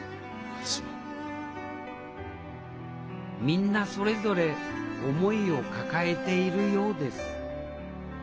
みんなそれぞれ思いを抱えているようです